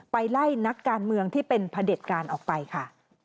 ไปไล่นักการเมืองที่เป็นพระเด็จการออกไปค่ะ